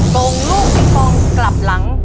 ส่งลูกปิงปองกลับหลัง